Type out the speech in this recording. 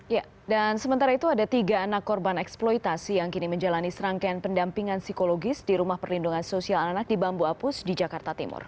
ya dan sementara itu ada tiga anak korban eksploitasi yang kini menjalani serangkaian pendampingan psikologis di rumah perlindungan sosial anak di bambu apus di jakarta timur